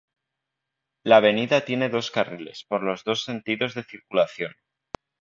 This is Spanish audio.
La avenida tiene dos carriles por los dos sentidos de circulación.